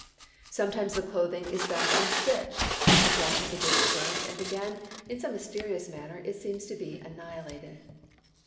Sometimes the clothing is found unstitched; again, it is burnt, and again, in some mysterious manner, seems to be annihilated.